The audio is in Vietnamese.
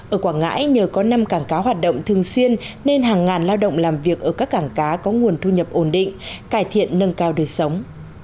ở quảng ngãi nhờ có năm cảng cá hoạt động thường xuyên nên hàng ngàn lao động làm việc ở các cảng cá có nguồn thu nhập ổn định cải thiện nâng cao đời sống